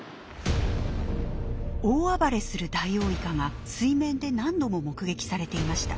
大暴れするダイオウイカが水面で何度も目撃されていました。